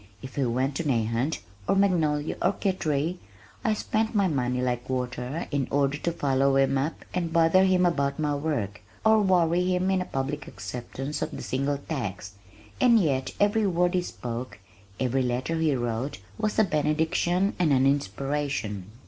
If he went to Nahant or Magnolia or Kittery I spent my money like water in order to follow him up and bother him about my work, or worry him into a public acceptance of the single tax, and yet every word he spoke, every letter he wrote was a benediction and an inspiration.